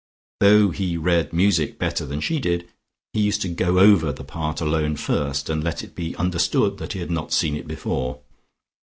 Though he read music much better than she did, he used to "go over" the part alone first, and let it be understood that he had not seen it before.